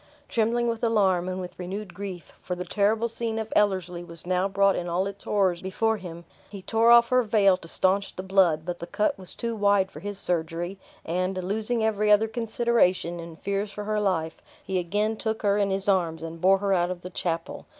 Trembling with alarm, and with renewed grief for the terrible scene of Ellerslie was now brought in all its horrors before him he tore off her veil to staunch the blood; but the cut was too wide for his surgery; and, losing every other consideration in fears for her life, he again took her in his arms, and bore her out of the chapel.